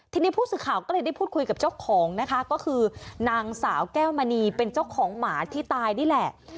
ทีนี้ผู้สื่อข่าวก็เลยได้พูดคุยกับเจ้าของนะคะก็คือนางสาวแก้วมณีเป็นเจ้าของหมาที่ตายนี่แหละ